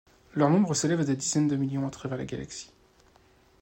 Leur nombre s’élève à des dizaines de millions à travers la galaxie.